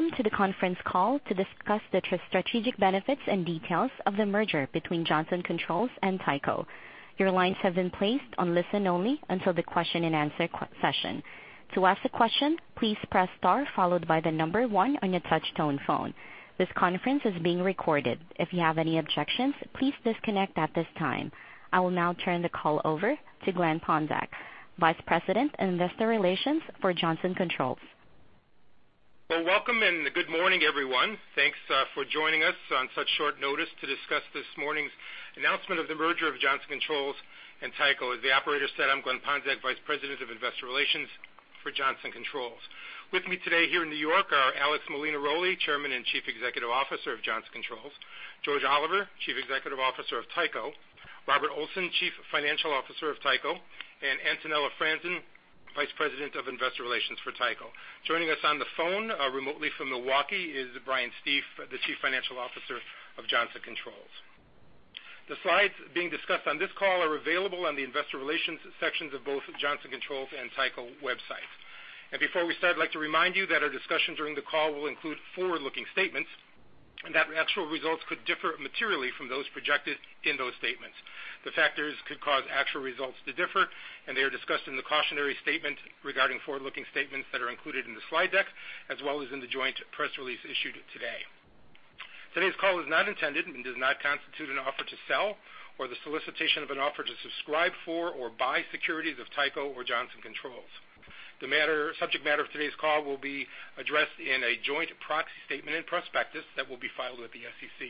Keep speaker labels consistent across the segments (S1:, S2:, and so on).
S1: Welcome to the conference call to discuss the strategic benefits and details of the merger between Johnson Controls and Tyco. Your lines have been placed on listen-only until the question and answer session. To ask a question, please press star followed by the number one on your touch-tone phone. This conference is being recorded. If you have any objections, please disconnect at this time. I will now turn the call over to Glen Ponczak, Vice President, Investor Relations for Johnson Controls.
S2: Welcome, and good morning, everyone. Thanks for joining us on such short notice to discuss this morning's announcement of the merger of Johnson Controls and Tyco. As the operator said, I'm Glen Ponczak, Vice President of Investor Relations for Johnson Controls. With me today here in New York are Alex Molinaroli, Chairman and Chief Executive Officer of Johnson Controls, George Oliver, Chief Executive Officer of Tyco, Robert Olson, Chief Financial Officer of Tyco, and Antonella Franzen, Vice President of Investor Relations for Tyco. Joining us on the phone remotely from Milwaukee is Brian Stief, the Chief Financial Officer of Johnson Controls. The slides being discussed on this call are available on the investor relations sections of both Johnson Controls and Tyco websites. Before we start, I'd like to remind you that our discussion during the call will include forward-looking statements, and that actual results could differ materially from those projected in those statements. The factors could cause actual results to differ, and they are discussed in the cautionary statement regarding forward-looking statements that are included in the slide deck, as well as in the joint press release issued today. Today's call is not intended and does not constitute an offer to sell or the solicitation of an offer to subscribe for or buy securities of Tyco or Johnson Controls. The subject matter of today's call will be addressed in a joint proxy statement and prospectus that will be filed with the SEC.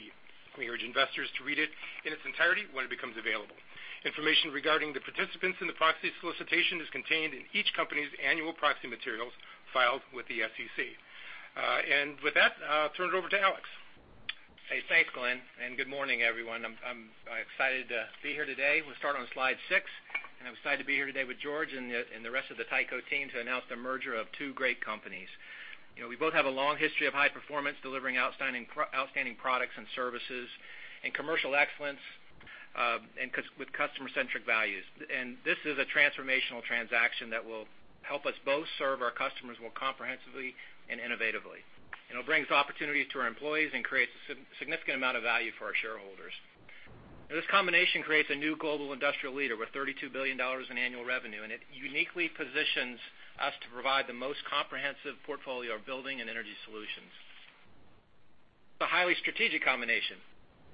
S2: We urge investors to read it in its entirety when it becomes available. Information regarding the participants in the proxy solicitation is contained in each company's annual proxy materials filed with the SEC. With that, I'll turn it over to Alex.
S3: Hey, thanks, Glen, and good morning, everyone. I'm excited to be here today. We'll start on slide six, and I'm excited to be here today with George and the rest of the Tyco team to announce the merger of two great companies. We both have a long history of high performance, delivering outstanding products and services and commercial excellence with customer-centric values. This is a transformational transaction that will help us both serve our customers more comprehensively and innovatively. It brings opportunities to our employees and creates a significant amount of value for our shareholders. This combination creates a new global industrial leader with $32 billion in annual revenue, and it uniquely positions us to provide the most comprehensive portfolio of building and energy solutions. It's a highly strategic combination.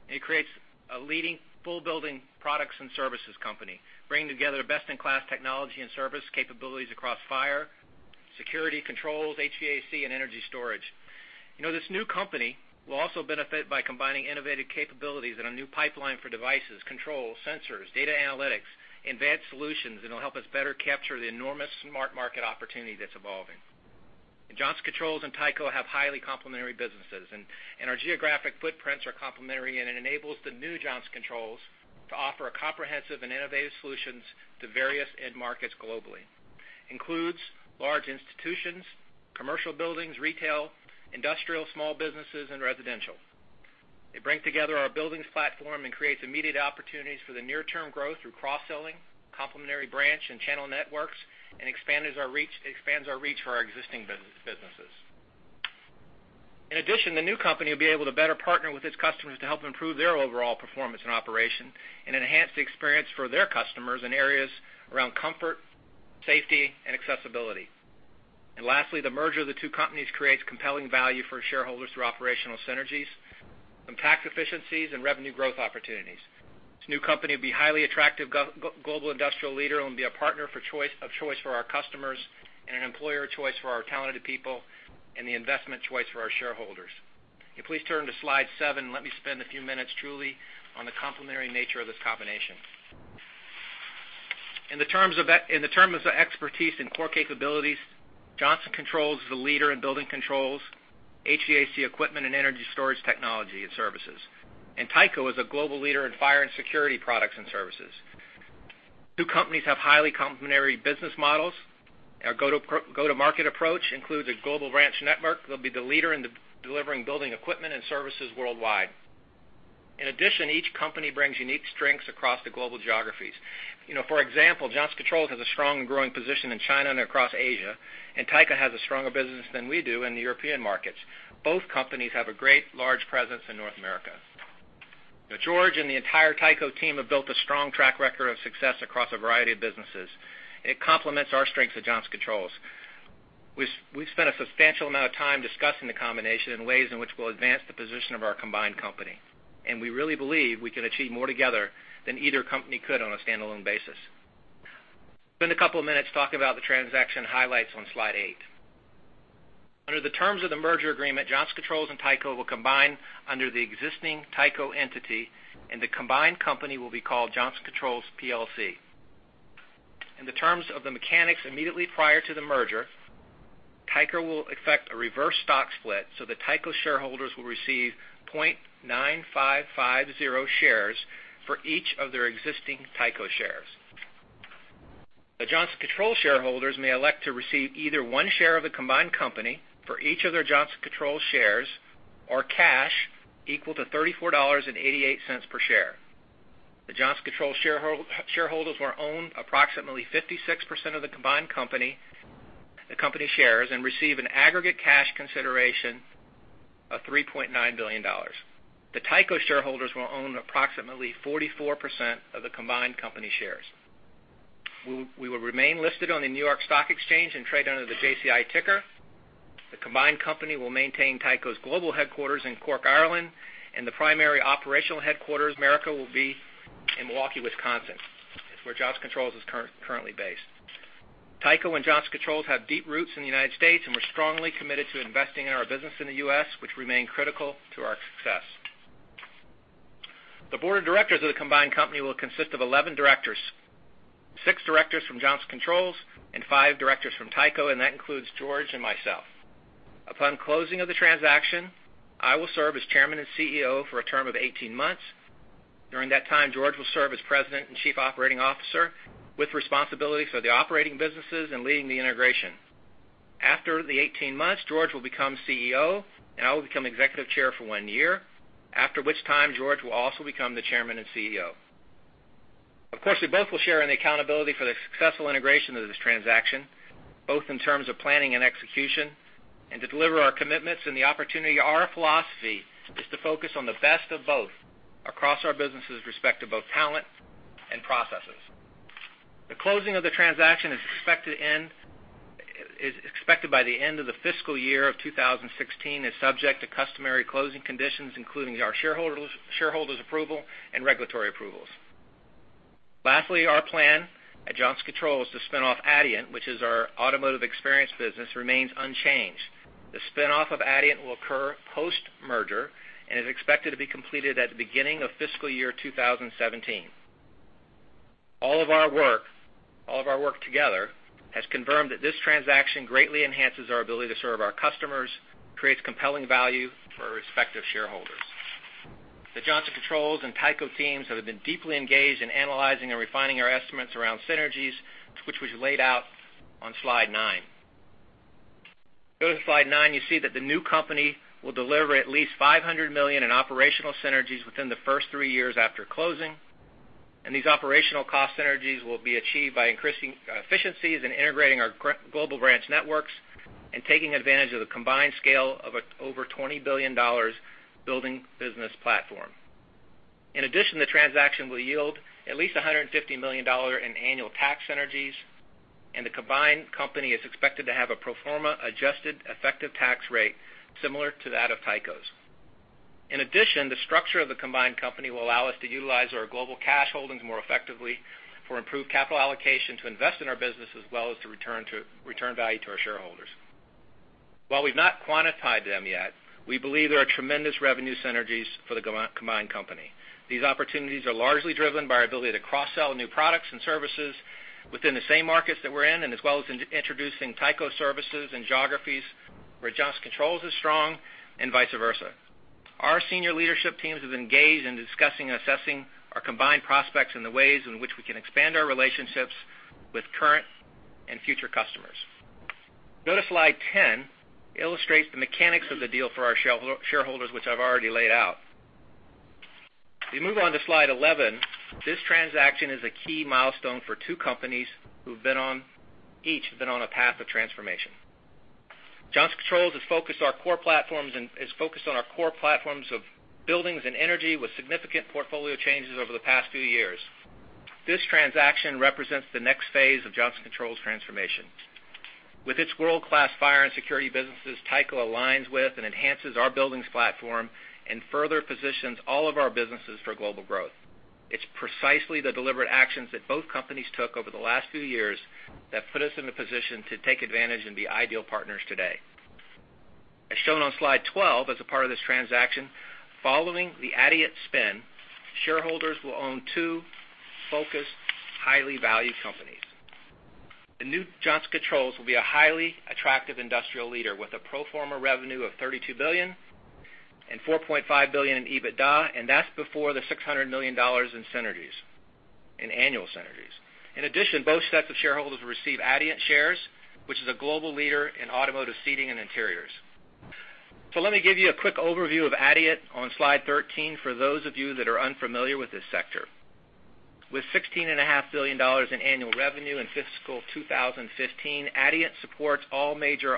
S3: It creates a leading full building products and services company, bringing together best-in-class technology and service capabilities across fire, security, controls, HVAC, and energy storage. This new company will also benefit by combining innovative capabilities and a new pipeline for devices, controls, sensors, data analytics, and VAD solutions that will help us better capture the enormous smart market opportunity that's evolving. Johnson Controls and Tyco have highly complementary businesses. Our geographic footprints are complementary, and it enables the new Johnson Controls to offer a comprehensive and innovative solutions to various end markets globally, including large institutions, commercial buildings, retail, industrial, small businesses, and residential. They bring together our buildings platform and creates immediate opportunities for the near-term growth through cross-selling, complementary branch and channel networks, and expands our reach for our existing businesses. In addition, the new company will be able to better partner with its customers to help improve their overall performance and operation and enhance the experience for their customers in areas around comfort, safety, and accessibility. Lastly, the merger of the two companies creates compelling value for shareholders through operational synergies, some tax efficiencies, and revenue growth opportunities. This new company will be highly attractive global industrial leader and will be a partner of choice for our customers and an employer choice for our talented people and the investment choice for our shareholders. If you please turn to slide seven, let me spend a few minutes truly on the complementary nature of this combination. In the terms of expertise and core capabilities, Johnson Controls is a leader in building controls, HVAC equipment, and energy storage technology and services. Tyco is a global leader in fire and security products and services. Two companies have highly complementary business models. Our go-to-market approach includes a global branch network that'll be the leader in delivering building equipment and services worldwide. In addition, each company brings unique strengths across the global geographies. For example, Johnson Controls has a strong and growing position in China and across Asia, and Tyco has a stronger business than we do in the European markets. Both companies have a great large presence in North America. George and the entire Tyco team have built a strong track record of success across a variety of businesses. It complements our strength at Johnson Controls. We've spent a substantial amount of time discussing the combination in ways in which we'll advance the position of our combined company. We really believe we can achieve more together than either company could on a standalone basis. Spend a couple of minutes talking about the transaction highlights on slide eight. Under the terms of the merger agreement, Johnson Controls and Tyco will combine under the existing Tyco entity, and the combined company will be called Johnson Controls plc. In the terms of the mechanics immediately prior to the merger, Tyco will effect a reverse stock split so that Tyco shareholders will receive 0.9550 shares for each of their existing Tyco shares. The Johnson Controls shareholders may elect to receive either one share of the combined company for each of their Johnson Controls shares or cash equal to $34.88 per share. The Johnson Controls shareholders will own approximately 56% of the combined company shares and receive an aggregate cash consideration of $3.9 billion. The Tyco shareholders will own approximately 44% of the combined company shares. We will remain listed on the New York Stock Exchange and trade under the JCI ticker. The combined company will maintain Tyco's global headquarters in Cork, Ireland, and the primary operational headquarters in America will be in Milwaukee, Wisconsin. It is where Johnson Controls is currently based. Tyco and Johnson Controls have deep roots in the U.S., and we are strongly committed to investing in our business in the U.S., which remain critical to our success. The board of directors of the combined company will consist of 11 directors, six directors from Johnson Controls and five directors from Tyco, and that includes George and myself. Upon closing of the transaction, I will serve as Chairman and CEO for a term of 18 months. During that time, George will serve as President and Chief Operating Officer with responsibilities for the operating businesses and leading the integration. After the 18 months, George will become CEO, and I will become Executive Chair for one year, after which time George will also become the Chairman and CEO. Of course, we both will share in the accountability for the successful integration of this transaction, both in terms of planning and execution. To deliver our commitments and the opportunity, our philosophy is to focus on the best of both across our businesses, respective of talent and processes. The closing of the transaction is expected by the end of the fiscal year 2016, is subject to customary closing conditions, including our shareholders' approval and regulatory approvals. Lastly, our plan at Johnson Controls to spin off Adient, which is our automotive experience business, remains unchanged. The spin-off of Adient will occur post-merger and is expected to be completed at the beginning of fiscal year 2017. All of our work together has confirmed that this transaction greatly enhances our ability to serve our customers, creates compelling value for respective shareholders. The Johnson Controls and Tyco teams have been deeply engaged in analyzing and refining our estimates around synergies, which was laid out on slide nine. Go to slide nine, you see that the new company will deliver at least $500 million in operational synergies within the first three years after closing. These operational cost synergies will be achieved by increasing efficiencies and integrating our global branch networks and taking advantage of the combined scale of over $20 billion building business platform. The transaction will yield at least $150 million in annual tax synergies, and the combined company is expected to have a pro forma adjusted effective tax rate similar to that of Tyco's. The structure of the combined company will allow us to utilize our global cash holdings more effectively for improved capital allocation, to invest in our business, as well as to return value to our shareholders. While we've not quantified them yet, we believe there are tremendous revenue synergies for the combined company. These opportunities are largely driven by our ability to cross-sell new products and services within the same markets that we're in, as well as introducing Tyco services and geographies where Johnson Controls is strong and vice versa. Our senior leadership teams have engaged in discussing and assessing our combined prospects and the ways in which we can expand our relationships with current and future customers. Go to slide 10. It illustrates the mechanics of the deal for our shareholders, which I've already laid out. We move on to slide 11. This transaction is a key milestone for two companies who've each been on a path of transformation. Johnson Controls has focused on our core platforms of buildings and energy with significant portfolio changes over the past few years. This transaction represents the next phase of Johnson Controls transformation. With its world-class fire and security businesses, Tyco aligns with and enhances our buildings platform and further positions all of our businesses for global growth. It's precisely the deliberate actions that both companies took over the last few years that put us in the position to take advantage and be ideal partners today. As shown on slide 12, as a part of this transaction, following the Adient spin, shareholders will own two focused, highly valued companies. The new Johnson Controls will be a highly attractive industrial leader with a pro forma revenue of $32 billion and $4.5 billion in EBITDA, and that's before the $650 million in annual synergies. Both sets of shareholders will receive Adient shares, which is a global leader in automotive seating and interiors. Let me give you a quick overview of Adient on slide 13 for those of you that are unfamiliar with this sector. With $16.5 billion in annual revenue in fiscal 2015, Adient supports all major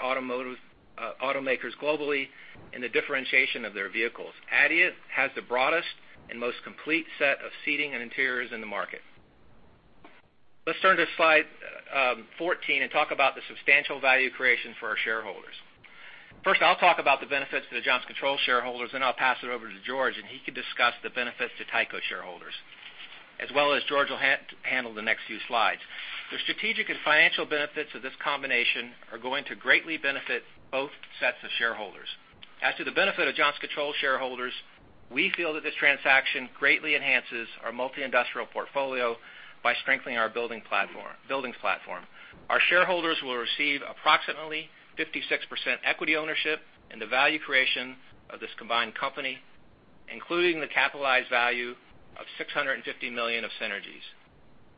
S3: automakers globally in the differentiation of their vehicles. Adient has the broadest and most complete set of seating and interiors in the market. Let's turn to slide 14 and talk about the substantial value creation for our shareholders. First, I'll talk about the benefits to the Johnson Controls shareholders, then I'll pass it over to George, and he can discuss the benefits to Tyco shareholders, as well as George will handle the next few slides. The strategic and financial benefits of this combination are going to greatly benefit both sets of shareholders. As to the benefit of Johnson Controls shareholders, we feel that this transaction greatly enhances our multi-industrial portfolio by strengthening our buildings platform. Our shareholders will receive approximately 56% equity ownership in the value creation of this combined company, including the capitalized value of $650 million of synergies.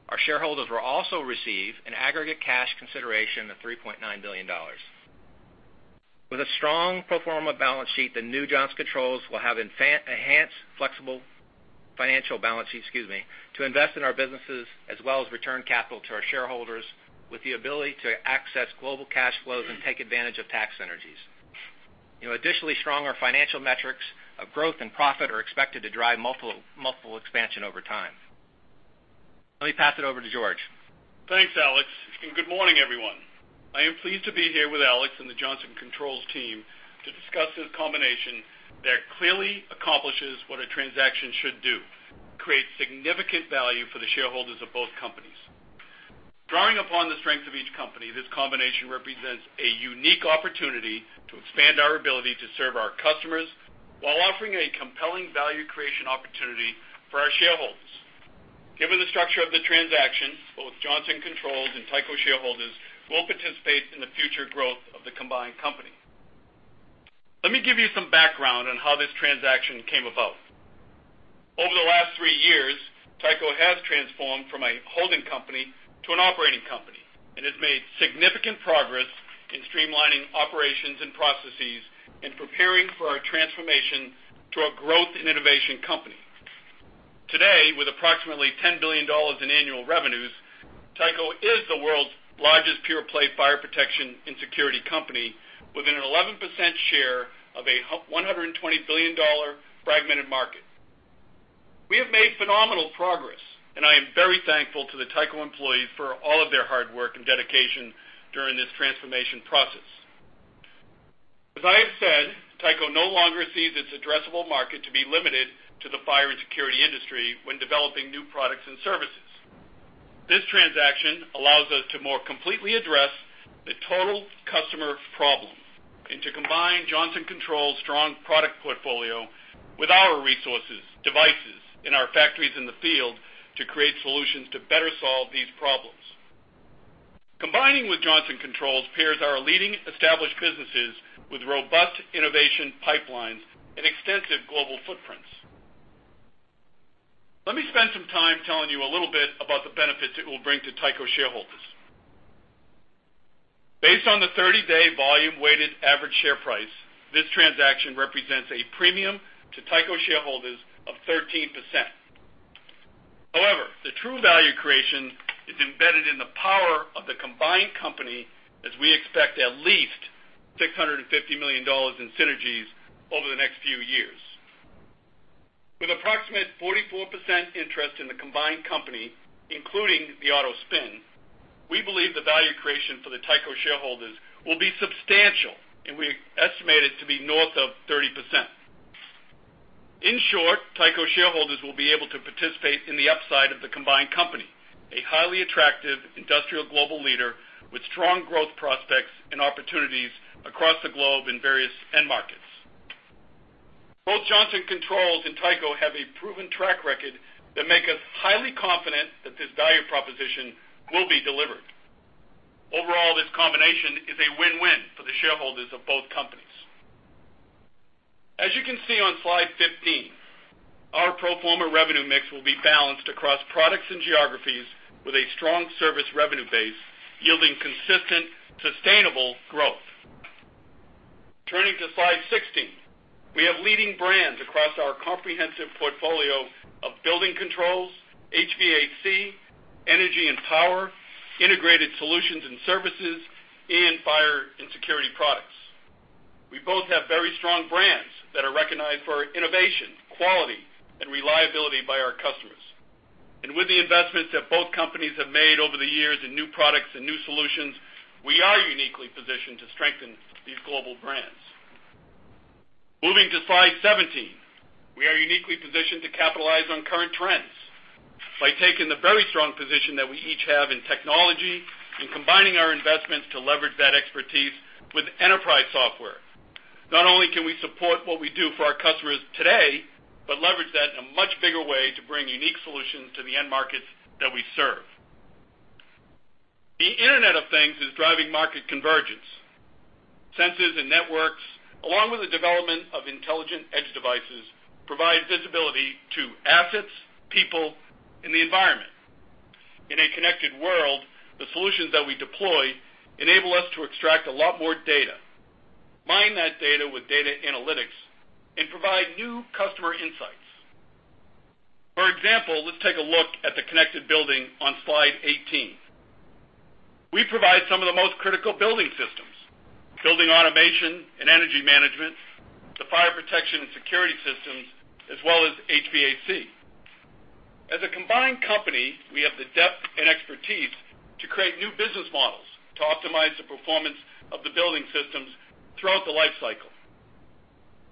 S3: Our shareholders will also receive an aggregate cash consideration of $3.9 billion. With a strong pro forma balance sheet, the new Johnson Controls will have enhanced flexible financial balance sheet, excuse me, to invest in our businesses as well as return capital to our shareholders with the ability to access global cash flows and take advantage of tax synergies. Additionally, stronger financial metrics of growth and profit are expected to drive multiple expansion over time. Let me pass it over to George.
S4: Thanks, Alex. Good morning, everyone. I am pleased to be here with Alex and the Johnson Controls team to discuss this combination that clearly accomplishes what a transaction should do, create significant value for the shareholders of both companies. Drawing upon the strength of each company, this combination represents a unique opportunity to expand our ability to serve our customers while offering a compelling value creation opportunity for our shareholders. Given the structure of the transaction, both Johnson Controls and Tyco shareholders will participate in the future growth of the combined company. Let me give you some background on how this transaction came about. Over the last three years, Tyco has transformed from a holding company to an operating company and has made significant progress in streamlining operations and processes and preparing for our transformation to a growth and innovation company. Today, with approximately $10 billion in annual revenues, Tyco is the world's largest pure-play fire protection and security company with an 11% share of a $120 billion fragmented market. We have made phenomenal progress, and I am very thankful to the Tyco employees for all of their hard work and dedication during this transformation process. As I have said, Tyco no longer sees its addressable market to be limited to the fire and security industry when developing new products and services. This transaction allows us to more completely address the total customer problem and to combine Johnson Controls' strong product portfolio with our resources, devices, and our factories in the field to create solutions to better solve these problems. Combining with Johnson Controls pairs our leading established businesses with robust innovation pipelines and extensive global footprints. Let me spend some time telling you a little bit about the benefits it will bring to Tyco shareholders. Based on the 30-day volume weighted average share price, this transaction represents a premium to Tyco shareholders of 13%. However, the true value creation is embedded in the power of the combined company as we expect at least $650 million in synergies over the next few years. With approximate 44% interest in the combined company, including the auto spin, we believe the value creation for the Tyco shareholders will be substantial, and we estimate it to be north of 30%. In short, Tyco shareholders will be able to participate in the upside of the combined company, a highly attractive industrial global leader with strong growth prospects and opportunities across the globe in various end markets. Both Johnson Controls and Tyco have a proven track record that make us highly confident that this value proposition will be delivered. Overall, this combination is a win-win for the shareholders of both companies. As you can see on slide 15, our pro forma revenue mix will be balanced across products and geographies with a strong service revenue base yielding consistent, sustainable growth. Turning to slide 16. We have leading brands across our comprehensive portfolio of building controls, HVAC, energy and power, integrated solutions and services, and fire and security products. We both have very strong brands that are recognized for innovation, quality, and reliability by our customers. With the investments that both companies have made over the years in new products and new solutions, we are uniquely positioned to strengthen these global brands. Moving to slide 17. We are uniquely positioned to capitalize on current trends by taking the very strong position that we each have in technology and combining our investments to leverage that expertise with enterprise software. Not only can we support what we do for our customers today, but leverage that in a much bigger way to bring unique solutions to the end markets that we serve. The Internet of Things is driving market convergence. Sensors and networks, along with the development of intelligent edge devices, provide visibility to assets, people, and the environment. In a connected world, the solutions that we deploy enable us to extract a lot more data, mine that data with data analytics, and provide new customer insights. For example, let's take a look at the connected building on slide 18. We provide some of the most critical building systems, building automation and energy management, the fire protection and security systems, as well as HVAC. As a combined company, we have the depth and expertise to create new business models to optimize the performance of the building systems throughout the lifecycle.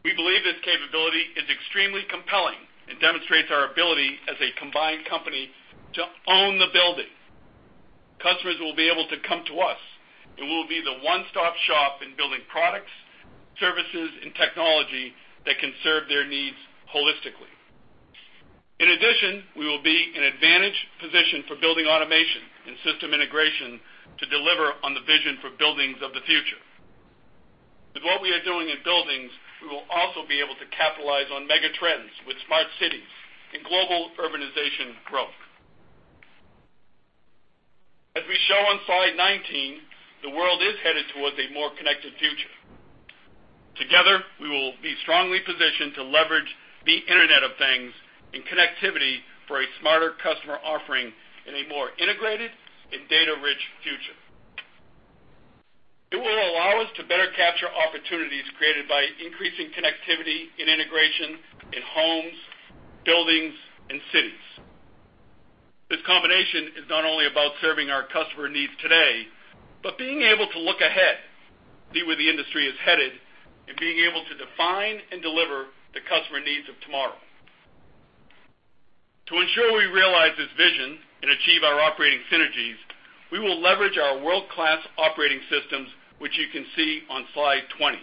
S4: We believe this capability is extremely compelling and demonstrates our ability as a combined company to own the building. Customers will be able to come to us, and we will be the one-stop shop in building products, services, and technology that can serve their needs holistically. In addition, we will be in an advantaged position for building automation and system integration to deliver on the vision for buildings of the future. With what we are doing in buildings, we will also be able to capitalize on mega trends with smart cities and global urbanization growth. As we show on slide 19, the world is headed towards a more connected future. Together, we will be strongly positioned to leverage the Internet of Things and connectivity for a smarter customer offering in a more integrated and data-rich future. It will allow us to better capture opportunities created by increasing connectivity and integration in homes, buildings, and cities. This combination is not only about serving our customer needs today, but being able to look ahead, see where the industry is headed, and being able to define and deliver the customer needs of tomorrow. To ensure we realize this vision and achieve our operating synergies, we will leverage our world-class operating systems, which you can see on slide 20.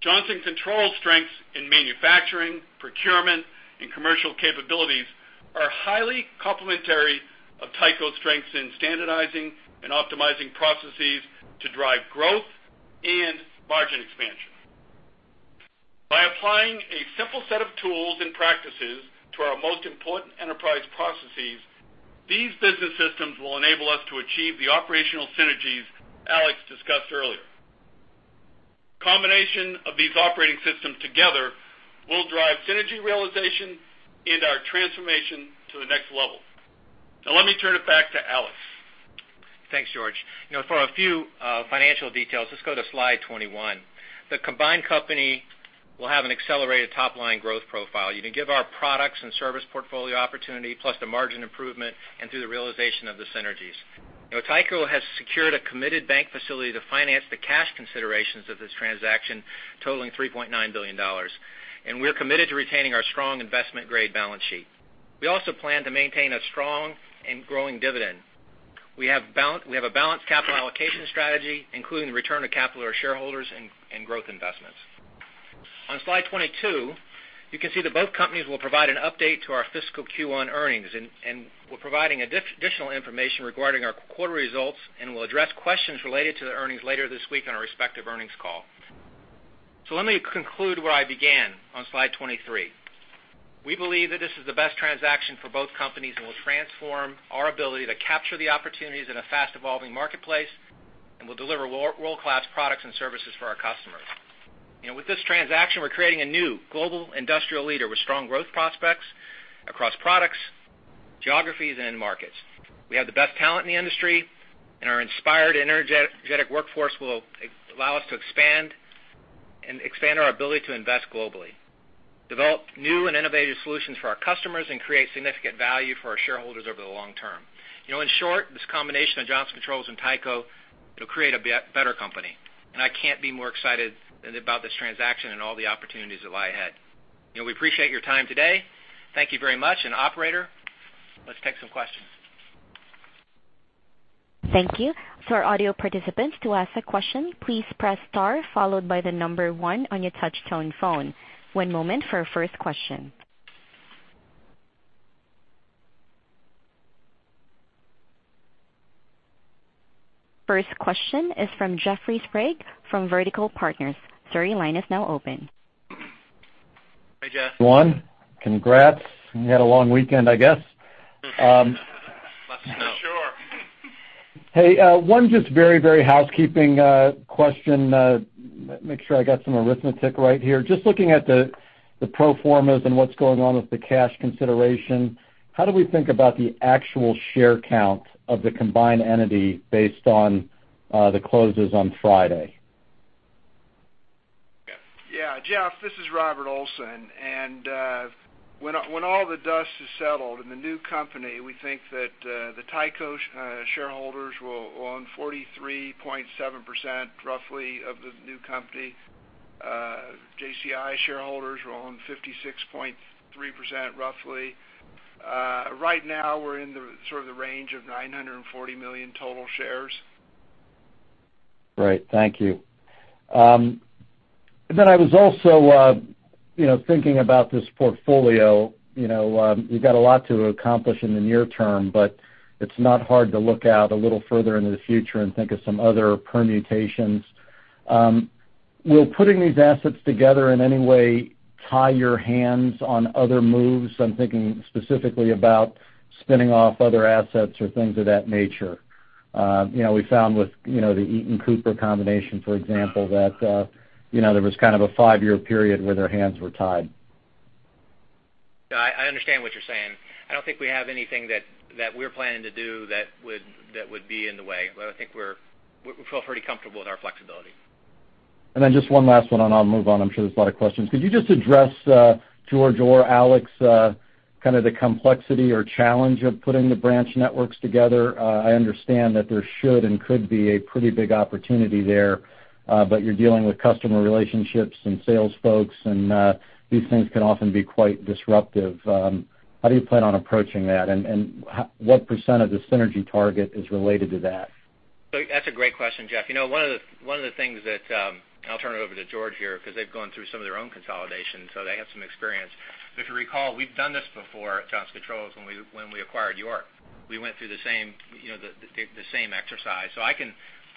S4: Johnson Controls' strengths in manufacturing, procurement, and commercial capabilities are highly complementary of Tyco's strengths in standardizing and optimizing processes to drive growth and margin expansion. By applying a simple set of tools and practices to our most important enterprise processes, these business systems will enable us to achieve the operational synergies Alex discussed earlier. Combination of these operating systems together will drive synergy realization and our transformation to the next level. Let me turn it back to Alex.
S3: Thanks, George. For a few financial details, let's go to slide 21. The combined company will have an accelerated top-line growth profile. You can give our products and service portfolio opportunity, plus the margin improvement and through the realization of the synergies. Tyco has secured a committed bank facility to finance the cash considerations of this transaction, totaling $3.9 billion. We're committed to retaining our strong investment-grade balance sheet. We also plan to maintain a strong and growing dividend. We have a balanced capital allocation strategy, including the return of capital to our shareholders and growth investments. On slide 22, you can see that both companies will provide an update to our fiscal Q1 earnings. We're providing additional information regarding our quarter results, and we'll address questions related to the earnings later this week on our respective earnings call. Let me conclude where I began on slide 23. We believe that this is the best transaction for both companies, and will transform our ability to capture the opportunities in a fast-evolving marketplace, and will deliver world-class products and services for our customers. With this transaction, we're creating a new global industrial leader with strong growth prospects across products, geographies, and end markets. We have the best talent in the industry, and our inspired, energetic workforce will allow us to expand our ability to invest globally, develop new and innovative solutions for our customers, and create significant value for our shareholders over the long term. In short, this combination of Johnson Controls and Tyco, it'll create a better company, and I can't be more excited about this transaction and all the opportunities that lie ahead. We appreciate your time today. Thank you very much. Operator, let's take some questions.
S1: Thank you. For our audio participants, to ask a question, please press star followed by the number one on your touch-tone phone. One moment for our first question. First question is from Jeffrey Sprague from Vertical Research Partners. Sir, your line is now open.
S3: Hey, Jeff.
S5: One, congrats. You had a long weekend, I guess.
S4: For sure.
S5: Hey, one just very housekeeping question. Make sure I got some arithmetic right here. Just looking at the pro formas and what's going on with the cash consideration, how do we think about the actual share count of the combined entity based on the closes on Friday?
S6: Yeah, Jeff, this is Robert Olson. When all the dust is settled in the new company, we think that the Tyco shareholders will own 43.7%, roughly, of the new company. JCI shareholders will own 56.3%, roughly. Right now, we're in the sort of the range of 940 million total shares.
S5: Great. Thank you. I was also thinking about this portfolio. You've got a lot to accomplish in the near term, but it's not hard to look out a little further into the future and think of some other permutations. Will putting these assets together in any way tie your hands on other moves? I'm thinking specifically about spinning off other assets or things of that nature. We found with the Eaton Cooper combination, for example, that there was kind of a 5-year period where their hands were tied.
S3: I understand what you're saying. I don't think we have anything that we're planning to do that would be in the way, but I think we feel pretty comfortable with our flexibility.
S5: Just one last one, I'll move on. I'm sure there's a lot of questions. Could you just address, George or Alex, kind of the complexity or challenge of putting the branch networks together? I understand that there should and could be a pretty big opportunity there, but you're dealing with customer relationships and sales folks, and these things can often be quite disruptive. How do you plan on approaching that, and what % of the synergy target is related to that?
S3: That's a great question, Jeff. One of the things that I'll turn it over to George here, because they've gone through some of their own consolidation, so they have some experience. If you recall, we've done this before at Johnson Controls when we acquired York. We went through the same exercise.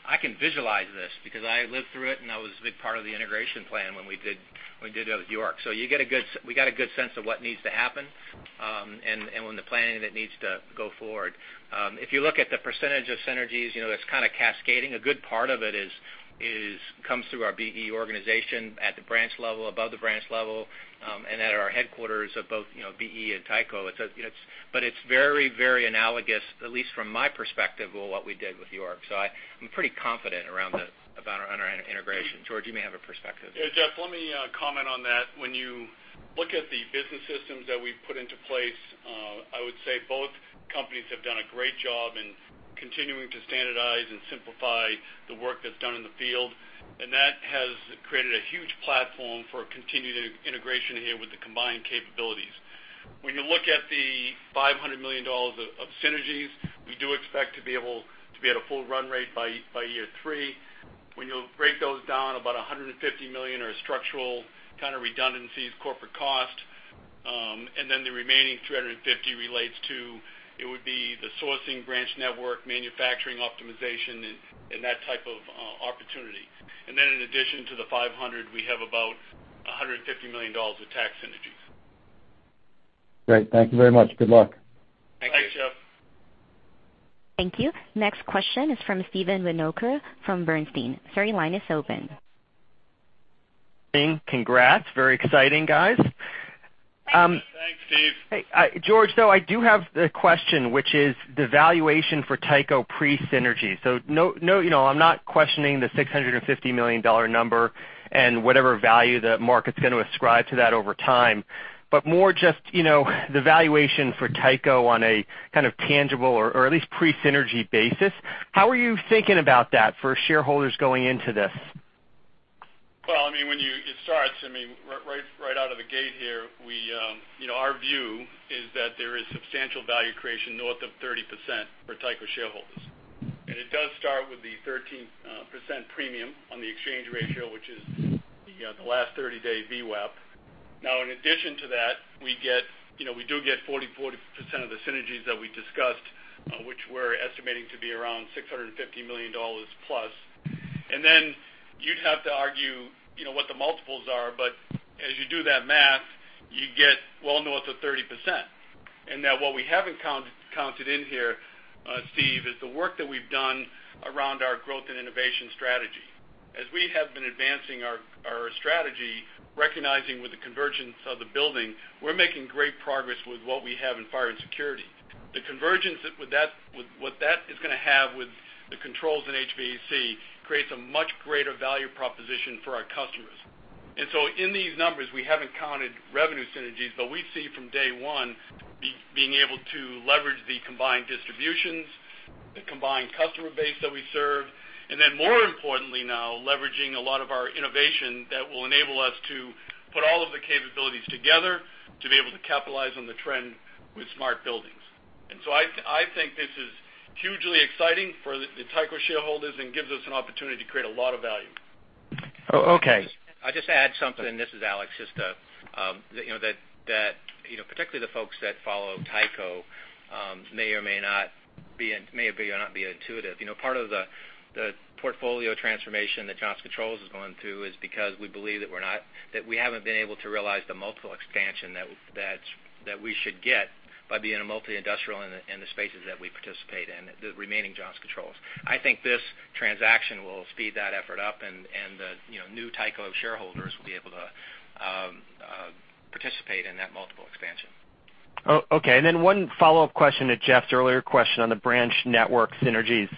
S3: I can visualize this because I lived through it, and I was a big part of the integration plan when we did it with York. We got a good sense of what needs to happen, and when the planning of it needs to go forward. If you look at the % of synergies, that's kind of cascading. A good part of it comes through our BE organization at the branch level, above the branch level, and at our headquarters of both BE and Tyco. It's very analogous, at least from my perspective, with what we did with York. I'm pretty confident around this, about our integration. George, you may have a perspective.
S4: Yeah, Jeff, let me comment on that. When you look at the business systems that we've put into place, I would say both companies have done a great job in continuing to standardize and simplify the work that's done in the field. That has created a huge platform for continued integration here with the combined capabilities. When you look at the $500 million of synergies, we do expect to be at a full run rate by year three. When you'll break those down, about $150 million are structural kind of redundancies, corporate cost. The remaining $350 relates to it would be the sourcing branch network, manufacturing optimization, and that type of opportunity. In addition to the $500, we have about $150 million of tax synergies.
S5: Great. Thank you very much. Good luck.
S4: Thanks, Jeff.
S3: Thank you.
S1: Thank you. Next question is from Stephen Volkmann from Bernstein. Sir, your line is open.
S7: Congrats. Very exciting, guys.
S4: Thanks, Steve.
S7: George, though, I do have the question, which is the valuation for Tyco pre-synergy. I'm not questioning the $650 million number and whatever value the market's going to ascribe to that over time, but more just the valuation for Tyco on a kind of tangible or at least pre-synergy basis. How are you thinking about that for shareholders going into this?
S4: Well, it starts, right out of the gate here, our view is that there is substantial value creation north of 30% for Tyco shareholders. It does start with the 13% premium on the exchange ratio, which is the last 30-day VWAP. In addition to that, we do get 40% of the synergies that we discussed, which we're estimating to be around $650 million plus. Then you'd have to argue what the multiples are. As you do that math, you get well north of 30%. Now what we haven't counted in here, Steve, is the work that we've done around our growth and innovation strategy. As we have been advancing our strategy, recognizing with the convergence of the building, we're making great progress with what we have in fire and security. The convergence with what that is going to have with the controls in HVAC creates a much greater value proposition for our customers. In these numbers, we haven't counted revenue synergies, but we've seen from day one, being able to leverage the combined distributions, the combined customer base that we serve, then more importantly now, leveraging a lot of our innovation that will enable us to put all of the capabilities together to be able to capitalize on the trend with smart buildings. I think this is hugely exciting for the Tyco shareholders and gives us an opportunity to create a lot of value.
S7: Oh, okay.
S3: I'll just add something, this is Alex, just that particularly the folks that follow Tyco may or may not be intuitive. Part of the portfolio transformation that Johnson Controls is going through is because we believe that we haven't been able to realize the multiple expansion that we should get by being a multi-industrial in the spaces that we participate in, the remaining Johnson Controls. I think this transaction will speed that effort up, and the new Tyco shareholders will be able to participate in that multiple expansion.
S7: Oh, okay. One follow-up question to Jeff's earlier question on the branch network synergies.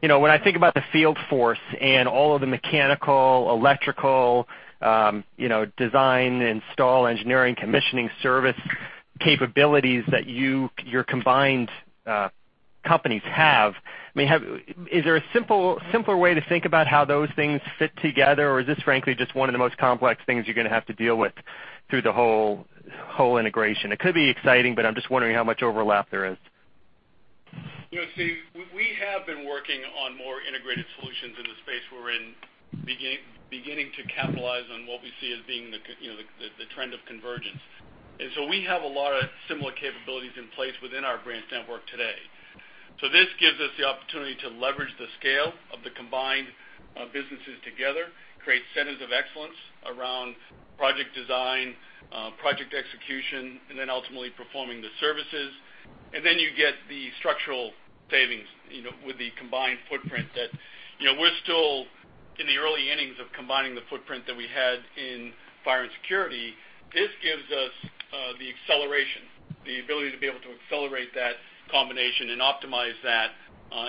S7: When I think about the field force and all of the mechanical, electrical design, install, engineering, commissioning service capabilities that your combined companies have, is there a simpler way to think about how those things fit together? Or is this frankly just one of the most complex things you're going to have to deal with through the whole integration? It could be exciting, but I'm just wondering how much overlap there is.
S4: Steve, we have been working on more integrated solutions in the space we're in, beginning to capitalize on what we see as being the trend of convergence. We have a lot of similar capabilities in place within our branch network today. This gives us the opportunity to leverage the scale of the combined businesses together, create centers of excellence around project design, project execution, and ultimately performing the services. You get the structural savings with the combined footprint that we're still in the early innings of combining the footprint that we had in fire and security. This gives us the acceleration, the ability to be able to accelerate that combination and optimize that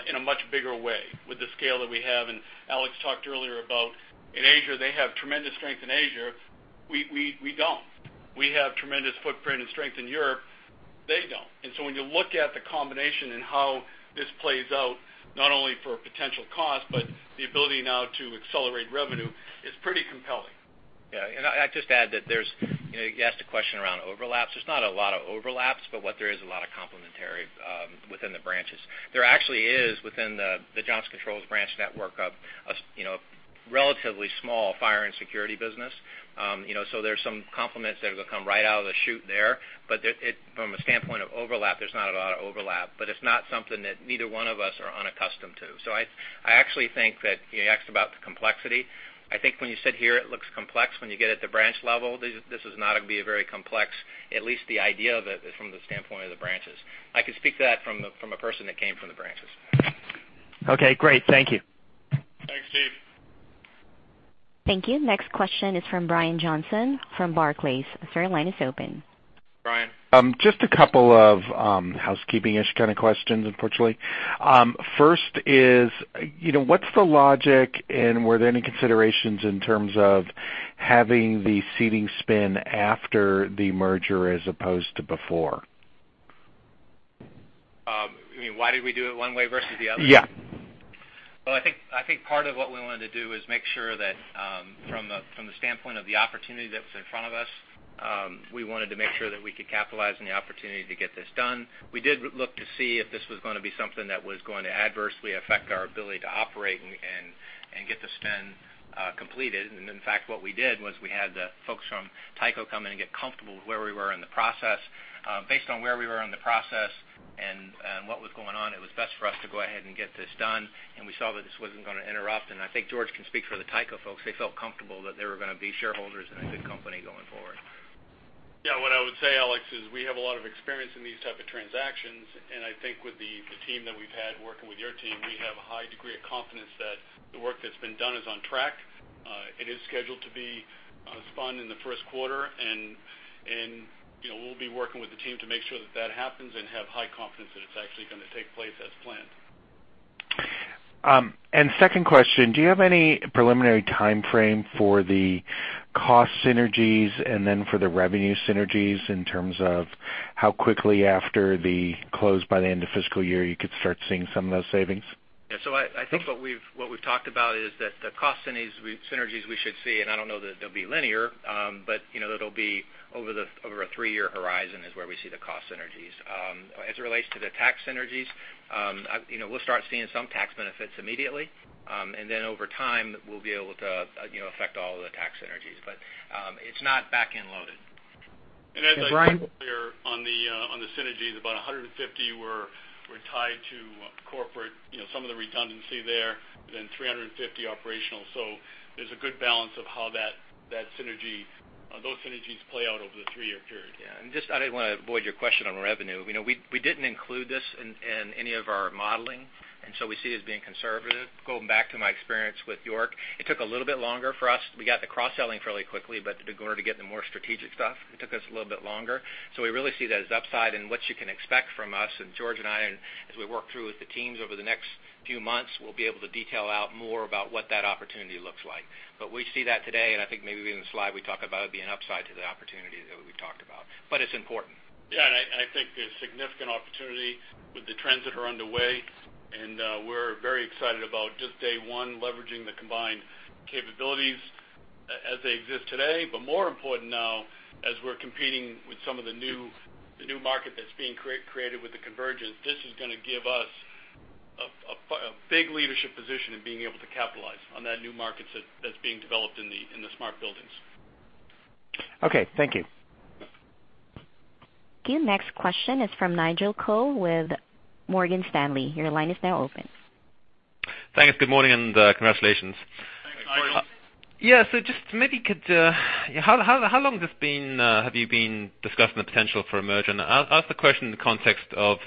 S4: in a much bigger way with the scale that we have. Alex talked earlier about in Asia, they have tremendous strength in Asia. We don't. We have tremendous footprint and strength in Europe. They don't. When you look at the combination and how this plays out, not only for potential cost, but the ability now to accelerate revenue is pretty compelling.
S3: I'd just add that you asked a question around overlaps. There's not a lot of overlaps, but what there is a lot of complementary within the branches. There actually is, within the Johnson Controls branch network, a relatively small fire and security business. There's some complements that'll come right out of the chute there. From a standpoint of overlap, there's not a lot of overlap, but it's not something that neither one of us are unaccustomed to. I actually think that, you asked about the complexity. I think when you sit here, it looks complex. When you get at the branch level, this is not going to be very complex, at least the idea of it from the standpoint of the branches. I can speak to that from a person that came from the branches.
S7: Great. Thank you.
S4: Thanks, Steve.
S1: Thank you. Next question is from Brian Johnson from Barclays. Sir, line is open.
S4: Brian.
S8: Just a couple of housekeeping-ish kind of questions, unfortunately. First is, what's the logic and were there any considerations in terms of having the seating spin after the merger as opposed to before?
S3: You mean why did we do it one way versus the other?
S8: Yeah.
S3: Well, I think part of what we wanted to do is make sure that from the standpoint of the opportunity that was in front of us, we wanted to make sure that we could capitalize on the opportunity to get this done. We did look to see if this was going to be something that was going to adversely affect our ability to operate and get the spin completed. In fact, what we did was we had the folks from Tyco come in and get comfortable with where we were in the process. Based on where we were in the process and what was going on, it was best for us to go ahead and get this done, and we saw that this wasn't going to interrupt. I think George can speak for the Tyco folks. They felt comfortable that they were going to be shareholders in a good company going forward.
S4: Yeah. What I would say, Alex, is we have a lot of experience in these type of transactions, and I think with the team that we've had working with your team, we have a high degree of confidence that the work that's been done is on track. It is scheduled to be spun in the first quarter, and we'll be working with the team to make sure that that happens and have high confidence that it's actually going to take place as planned.
S8: Second question, do you have any preliminary timeframe for the cost synergies and then for the revenue synergies in terms of how quickly after the close by the end of fiscal year you could start seeing some of those savings?
S3: Yeah. I think what we've talked about is that the cost synergies we should see, and I don't know that they'll be linear, but that'll be over a three-year horizon is where we see the cost synergies. As it relates to the tax synergies, we'll start seeing some tax benefits immediately. Then over time, we'll be able to affect all of the tax synergies. It's not back-end loaded.
S8: Brian-
S4: As I said earlier on the synergies, about $150 were tied to corporate, some of the redundancy there, then $350 operational. There's a good balance of how those synergies play out over the three-year period.
S3: Yeah. I didn't want to avoid your question on revenue. We didn't include this in any of our modeling, we see it as being conservative. Going back to my experience with York, it took a little bit longer for us. We got the cross-selling fairly quickly, but in order to get the more strategic stuff, it took us a little bit longer. We really see that as upside in what you can expect from us. George and I, as we work through with the teams over the next few months, we'll be able to detail out more about what that opportunity looks like. We see that today, and I think maybe in the slide we talk about it being upside to the opportunity that we talked about. It's important.
S4: Yeah, and I think there's significant opportunity with the trends that are underway, and we're very excited about just day one leveraging the combined capabilities as they exist today. More important now, as we're competing with some of the new market that's being created with the convergence, this is going to give us a big leadership position in being able to capitalize on that new market that's being developed in the smart buildings.
S8: Okay, thank you.
S1: Your next question is from Nigel Coe with Morgan Stanley. Your line is now open.
S9: Thanks. Good morning, congratulations.
S4: Thanks, Nigel.
S9: Yeah. Just maybe, how long have you been discussing the potential for a merger? I'll ask the question in the context of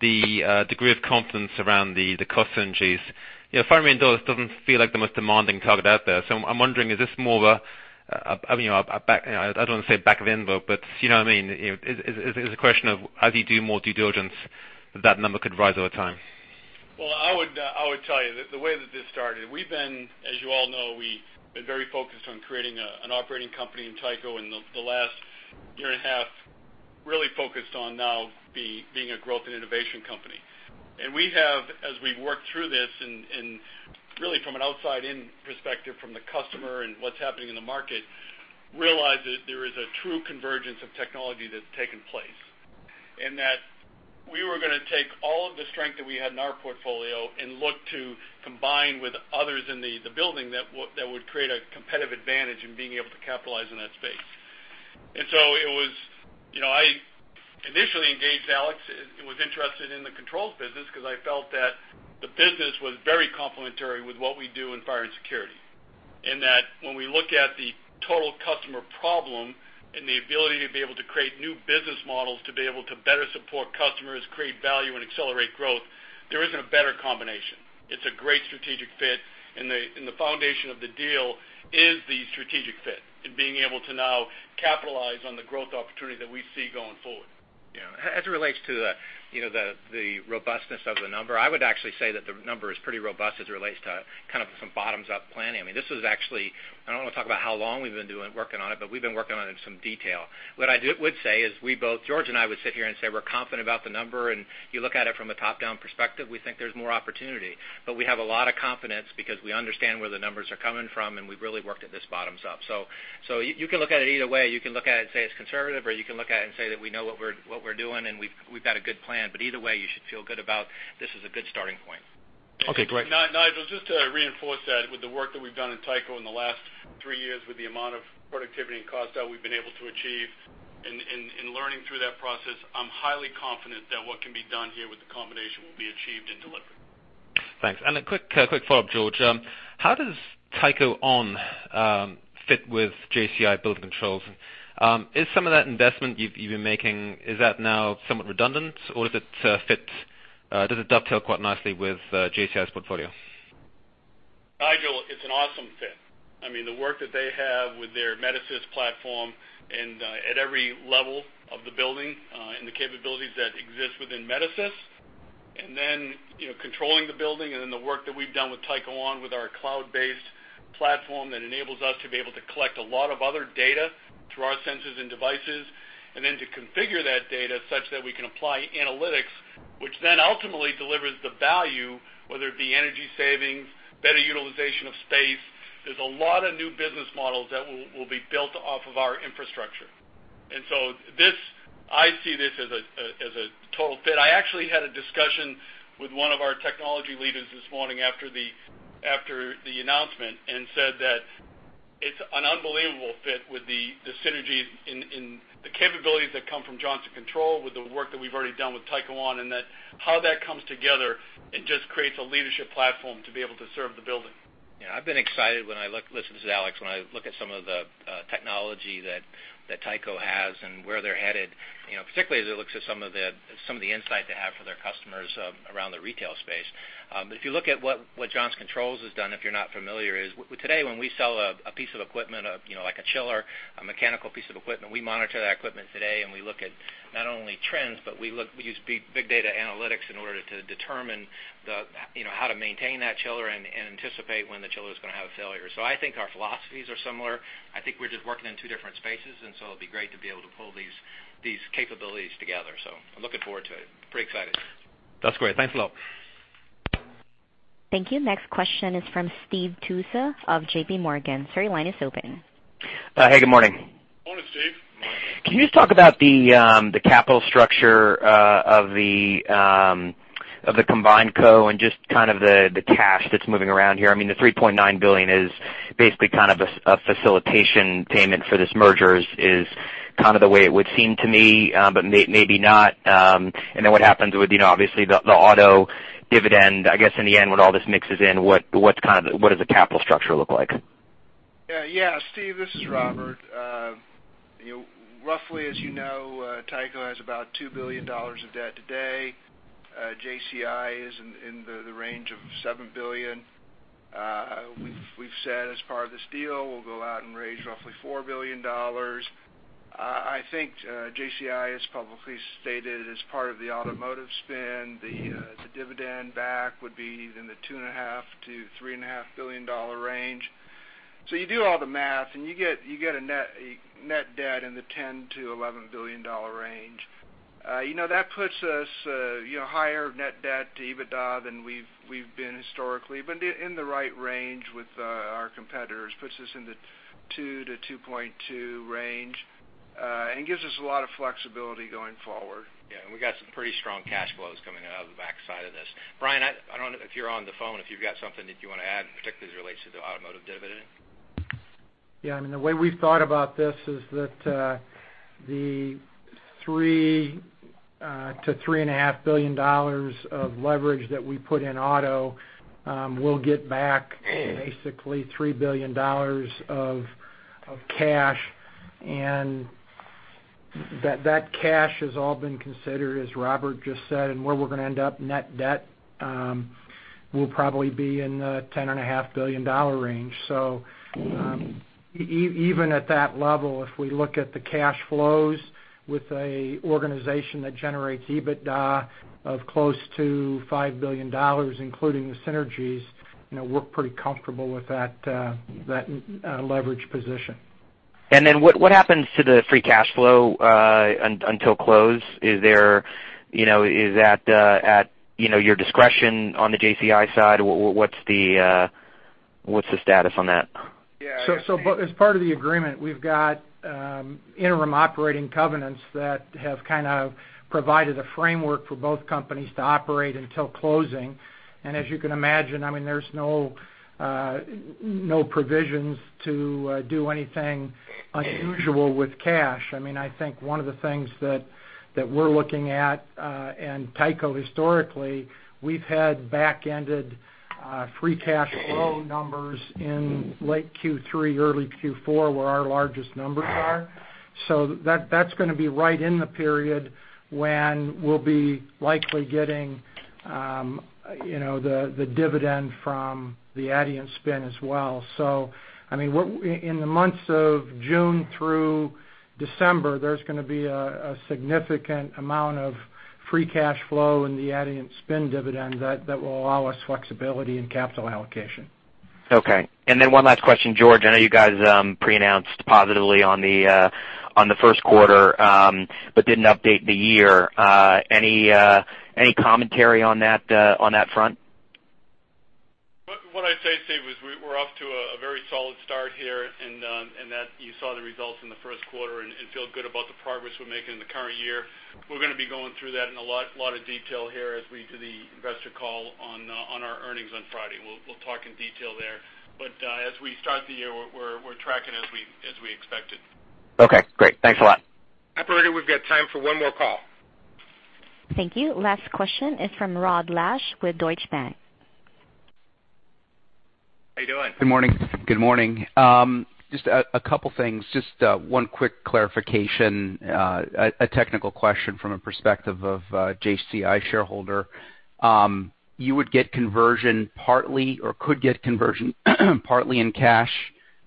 S9: the degree of confidence around the cost synergies. Fire and security doesn't feel like the most demanding target out there. I'm wondering, is this more of a, I don't want to say back of the envelope, but you know what I mean. Is it a question of as you do more due diligence, that number could rise over time?
S4: Well, I would tell you that the way that this started, we've been, as you all know, we've been very focused on creating an operating company in Tyco, and the last year and a half, really focused on now being a growth and innovation company. We have, as we've worked through this, and really from an outside-in perspective from the customer and what's happening in the market, realized that there is a true convergence of technology that's taken place, and that we were going to take all of the strength that we had in our portfolio and look to combine with others in the building that would create a competitive advantage in being able to capitalize on that space. I initially engaged Alex and was interested in the controls business because I felt that the business was very complementary with what we do in fire and security. In that when we look at the total customer problem and the ability to be able to create new business models to be able to better support customers, create value, and accelerate growth, there isn't a better combination. It's a great strategic fit, and the foundation of the deal is the strategic fit and being able to now capitalize on the growth opportunity that we see going forward.
S3: Yeah. As it relates to the robustness of the number, I would actually say that the number is pretty robust as it relates to kind of some bottoms-up planning. I mean, this is actually, I don't want to talk about how long we've been working on it, but we've been working on it in some detail. What I would say is George and I would sit here and say we're confident about the number, and you look at it from a top-down perspective, we think there's more opportunity. We have a lot of confidence because we understand where the numbers are coming from, and we've really worked at this bottoms-up. You can look at it either way. You can look at it and say it's conservative, or you can look at it and say that we know what we're doing and we've got a good plan. Either way, you should feel good about this is a good starting point.
S9: Okay, great.
S4: Nigel, just to reinforce that with the work that we've done in Tyco in the last three years, with the amount of productivity and cost out we've been able to achieve in learning through that process, I'm highly confident that what can be done here with the combination will be achieved and delivered.
S9: Thanks. A quick follow-up, George. How does Tyco On fit with JCI Building Controls? Is some of that investment you've been making, is that now somewhat redundant, or does it dovetail quite nicely with JCI's portfolio?
S4: Nigel, it's an awesome fit. The work that they have with their Metasys platform and at every level of the building, and the capabilities that exist within Metasys, and then controlling the building and then the work that we've done with Tyco On with our cloud-based platform that enables us to be able to collect a lot of other data through our sensors and devices, and then to configure that data such that we can apply analytics, which then ultimately delivers the value, whether it be energy savings, better utilization of space. There's a lot of new business models that will be built off of our infrastructure. I see this as a total fit. I actually had a discussion with one of our technology leaders this morning after the announcement and said that it's an unbelievable fit with the synergies in the capabilities that come from Johnson Controls, with the work that we've already done with Tyco On, and that how that comes together, it just creates a leadership platform to be able to serve the building.
S3: Yeah, I've been excited, this is Alex, when I look at some of the technology that Tyco has and where they're headed, particularly as it looks at some of the insight they have for their customers around the retail space. If you look at what Johnson Controls has done, if you're not familiar, is today, when we sell a piece of equipment, like a chiller, a mechanical piece of equipment, we monitor that equipment today, and we look at not only trends, but we use big data analytics in order to determine how to maintain that chiller and anticipate when the chiller is going to have a failure. I think our philosophies are similar. I think we're just working in two different spaces, and so it'll be great to be able to pull these capabilities together. I'm looking forward to it. Pretty excited.
S9: That's great. Thanks a lot.
S1: Thank you. Next question is from Steve Tusa of JPMorgan. Sir, your line is open.
S10: Hey, good morning.
S4: Morning, Steve.
S10: Can you just talk about the capital structure of the combined co and just kind of the cash that's moving around here? The $3.9 billion is basically kind of a facilitation payment for this merger, is kind of the way it would seem to me. Maybe not. What happens with, obviously, the auto dividend, I guess, in the end, when all this mixes in, what does the capital structure look like?
S6: Yeah, Steve, this is Robert. Roughly, as you know, Tyco has about $2 billion of debt today. JCI is in the range of $7 billion. We've said as part of this deal, we'll go out and raise roughly $4 billion. I think JCI has publicly stated as part of the automotive spin, the dividend back would be in the $2.5 billion-$3.5 billion range. You do all the math, and you get a net debt in the $10 billion-$11 billion range. That puts us higher net debt to EBITDA than we've been historically, but in the right range with our competitors. Puts us in the 2-2.2 range, gives us a lot of flexibility going forward.
S3: Yeah, we got some pretty strong cash flows coming out of the backside of this. Brian, I don't know if you're on the phone, if you've got something that you want to add, particularly as it relates to the automotive dividend.
S11: Yeah. The way we've thought about this is that the $3 billion-$3.5 billion of leverage that we put in auto will get back basically $3 billion of cash, that cash has all been considered, as Robert just said, and where we're going to end up net debt will probably be in the $10.5 billion range. Even at that level, if we look at the cash flows with an organization that generates EBITDA of close to $5 billion, including the synergies, we're pretty comfortable with that leverage position.
S10: What happens to the free cash flow until close? Is that at your discretion on the JCI side? What's the status on that?
S11: As part of the agreement, we've got interim operating covenants that have kind of provided a framework for both companies to operate until closing. As you can imagine, there's no provisions to do anything unusual with cash. I think one of the things that we're looking at, and Tyco historically, we've had back-ended free cash flow numbers in late Q3, early Q4, where our largest numbers are. That's going to be right in the period when we'll be likely getting the dividend from the Adient spin as well. In the months of June through December, there's going to be a significant amount of free cash flow in the Adient spin dividend that will allow us flexibility in capital allocation.
S10: Okay. One last question, George. I know you guys pre-announced positively on the first quarter but didn't update the year. Any commentary on that front?
S4: What I'd say, Steve, is we're off to a very solid start here, and that you saw the results in the first quarter and feel good about the progress we're making in the current year. We're going to be going through that in a lot of detail here as we do the investor call on our earnings on Friday. We'll talk in detail there. As we start the year, we're tracking as we expected.
S10: Okay, great. Thanks a lot.
S2: Operator, we've got time for one more call.
S1: Thank you. Last question is from Rod Lache with Deutsche Bank.
S3: How you doing?
S12: Good morning. Just a couple things. Just one quick clarification, a technical question from a perspective of JCI shareholder. You would get conversion partly, or could get conversion partly in cash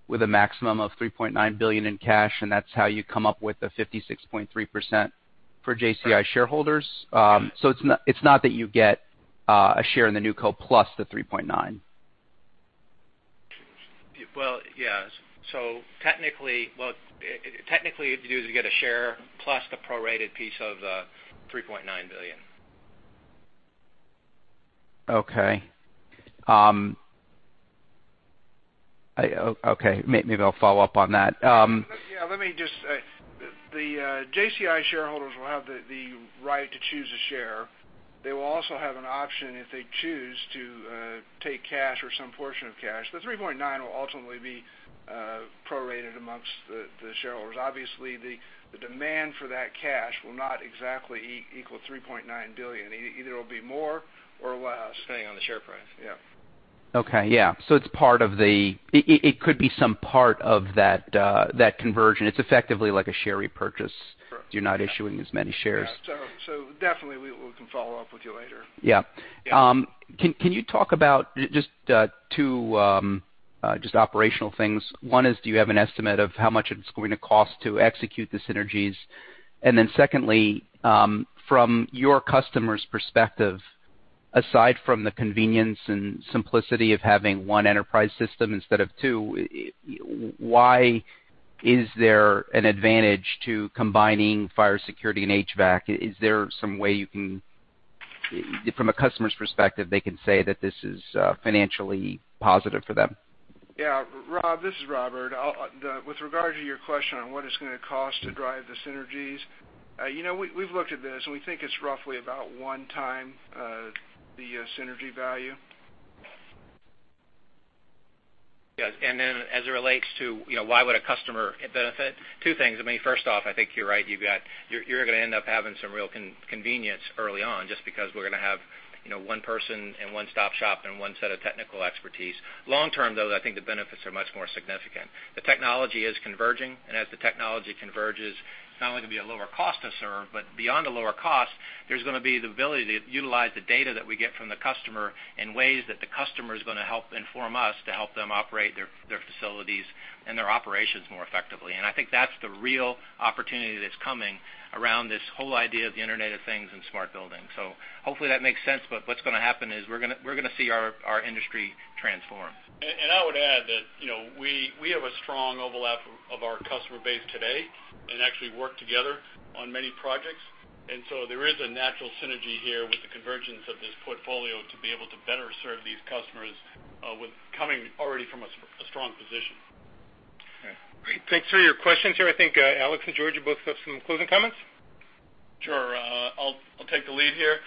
S12: with a maximum of $3.9 billion in cash, and that's how you come up with the 56.3% for JCI shareholders? It's not that you get a share in the new co plus the $3.9.
S3: Well, yes. Technically, you get a share plus the prorated piece of $3.9 billion.
S12: Okay. Maybe I'll follow up on that.
S6: Yeah, The JCI shareholders will have the right to choose a share. They will also have an option, if they choose to take cash or some portion of cash. The $3.9 will ultimately be prorated amongst the shareholders. Obviously, the demand for that cash will not exactly equal $3.9 billion. Either it'll be more or less.
S3: Depending on the share price. Yeah.
S12: Okay. Yeah. It could be some part of that conversion. It's effectively like a share repurchase.
S6: Correct.
S12: You're not issuing as many shares.
S6: Yeah. Definitely, we can follow up with you later.
S12: Yeah.
S6: Yeah.
S12: Can you talk about just two operational things. One is, do you have an estimate of how much it's going to cost to execute the synergies? Secondly, from your customers' perspective, aside from the convenience and simplicity of having one enterprise system instead of two, why is there an advantage to combining fire security and HVAC? Is there some way you can, from a customer's perspective, they can say that this is financially positive for them?
S6: Rod, this is Robert. With regard to your question on what it's going to cost to drive the synergies, we've looked at this, and we think it's roughly about one time the synergy value.
S3: As it relates to why would a customer benefit, two things. First off, I think you're right. You're going to end up having some real convenience early on, just because we're going to have one person and one-stop shop and one set of technical expertise. Long term, though, I think the benefits are much more significant. The technology is converging, and as the technology converges, it's not only going to be a lower cost to serve, but beyond a lower cost, there's going to be the ability to utilize the data that we get from the customer in ways that the customer is going to help inform us to help them operate their facilities and their operations more effectively. I think that's the real opportunity that's coming around this whole idea of the Internet of Things and smart building. Hopefully that makes sense, but what's going to happen is we're going to see our industry transform.
S4: I would add that we have a strong overlap of our customer base today and actually work together on many projects. There is a natural synergy here with the convergence of this portfolio to be able to better serve these customers with coming already from a strong position.
S2: Yeah. Great. Thanks for your questions here. I think Alex and George, you both have some closing comments?
S3: Sure. I'll take the lead here.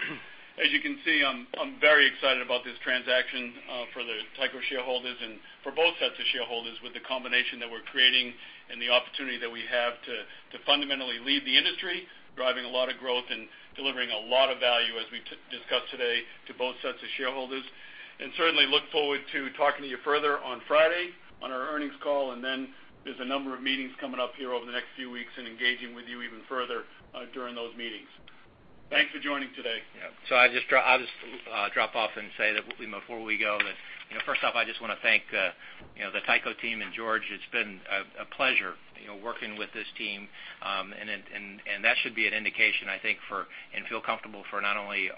S3: As you can see, I'm very excited about this transaction for the Tyco shareholders and for both sets of shareholders with the combination that we're creating and the opportunity that we have to fundamentally lead the industry, driving a lot of growth and delivering a lot of value, as we discussed today, to both sets of shareholders. Certainly look forward to talking to you further on Friday on our earnings call, and then there's a number of meetings coming up here over the next few weeks and engaging with you even further during those meetings. Thanks for joining today.
S4: Yeah.
S3: I'll just drop off and say that before we go that, first off, I just want to thank the Tyco team and George. It's been a pleasure working with this team. That should be an indication, I think, and feel comfortable for not only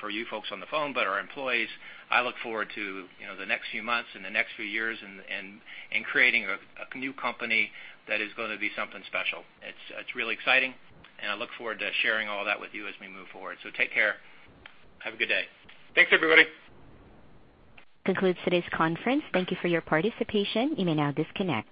S3: for you folks on the phone, but our employees. I look forward to the next few months and the next few years and creating a new company that is going to be something special. It's really exciting, and I look forward to sharing all that with you as we move forward. Take care. Have a good day.
S4: Thanks, everybody.
S1: Concludes today's conference. Thank you for your participation. You may now disconnect.